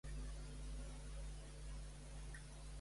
Què va ser Làfria?